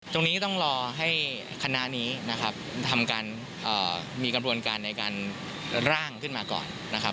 ตรงนี้ต้องรอให้คณะนี้นะครับทำการมีกระบวนการในการร่างขึ้นมาก่อนนะครับ